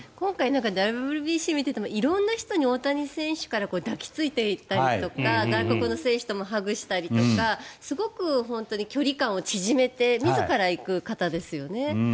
ＷＢＣを見ていても色んな人に大谷選手から抱きついていったりとか外国の選手ともハグしたりとかすごく距離感を縮めて自ら行く方ですよね。